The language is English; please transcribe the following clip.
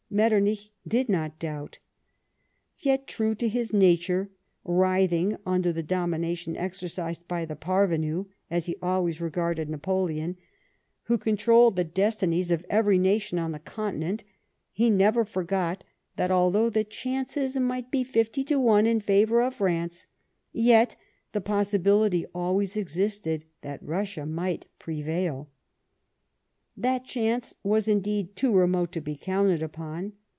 Metternich did not doubt. Yet, true to his nature, writhing vmdcr the domination exer cised by the parvenu — as he always regarded Napoleon — 78 LIFE OF PEINCE METTEBNICU, who controlled the destinies of every nation on the Con tinent, he never forjj^ot that although the chances might be fifty to one in favour of France, yet the possibility always existed that Eussia might prevail. That chance was, indeed, too remote to be counted upon.